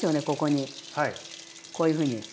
ここにこういうふうに。